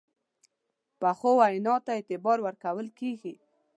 پخو وینا ته اعتبار ورکول کېږي